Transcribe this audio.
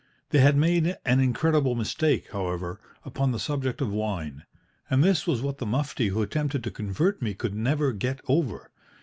They had made an incredible mistake, however, upon the subject of wine, and this was what the Mufti who attempted to convert me could never get over.